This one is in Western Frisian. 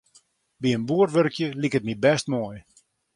By in boer wurkje liket my bêst moai.